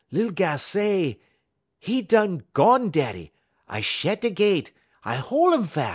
Lil gal say: "''E done gone, daddy. I shed da gett, I hol' um fas'.